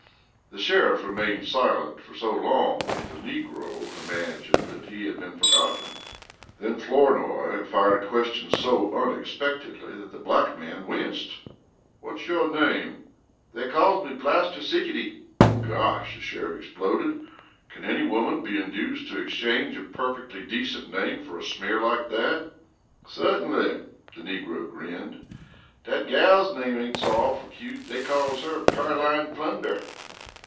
The sheriff remained silent for so long that the negro imagined he had been forgotten. Then Flournoy fired a question so unexpectedly that the black man winced: "What's your name?" "Dey calls me Plaster Sickety." "Gosh!" the sheriff exploded. "Can any woman be induced to exchange a perfectly decent name for a smear like that?" "Suttinly," the negro grinned. "Dat gal's name ain't so awful cute. Dey calls her Pearline Flunder."